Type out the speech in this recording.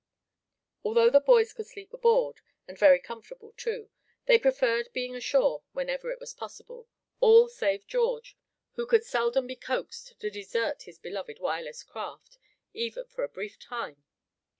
Although the boys could sleep aboard, and very comfortable too, they preferred being ashore whenever it was possible, all save George, who could seldom be coaxed to desert his beloved Wireless craft, even for a brief time.